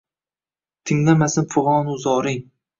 Tinglamasin fig’onu zoring.